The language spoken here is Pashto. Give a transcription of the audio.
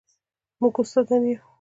موږ استادان یو